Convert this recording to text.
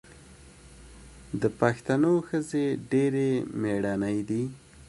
د پښتنو ښځې ډیرې میړنۍ دي.